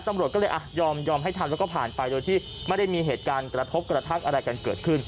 ตำรวจก็เลยอ่ะยอมให้ทำแล้วก็ผ่านไปโดยที่ไม่ได้มีเหตุการณ์กระทบกระทั่งอะไรกันเกิดขึ้น